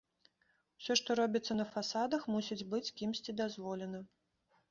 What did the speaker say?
Усё, што робіцца на фасадах, мусіць быць кімсьці дазволена.